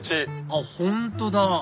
あっ本当だ